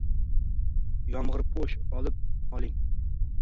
Yomg'irpo'sh olib oling